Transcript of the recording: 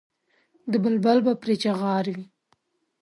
د بلبل به پرې چیغار وي.